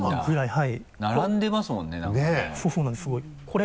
はい。